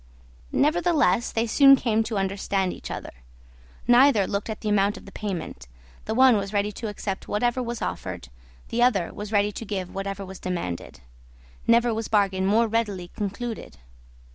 Nevertheless, they soon came to understand each other. Neither looked at the amount of the payment: the one was ready to accept whatever was offered; the other was ready to give whatever was demanded. Never was bargain more readily concluded.